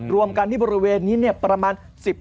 รวมกันที่บริเวณนี้เนี่ยประมาณ